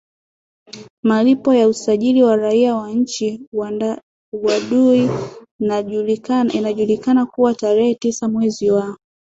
malipo ya usajili wa raia wa nchi uaduiInajulikana kuwa tarehe tisa mwezi wa